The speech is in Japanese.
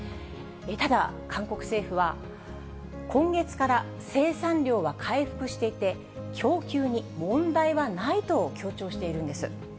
ただ韓国政府は、今月から生産量は回復していて、供給に問題はないと強調しているんです。